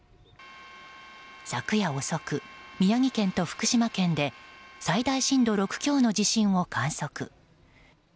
昨夜遅く、宮城県と福島県で最大震度６強の地震を観測。